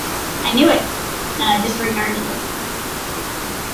I knew it, and I disregarded it.